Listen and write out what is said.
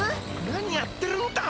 何やってるんだ！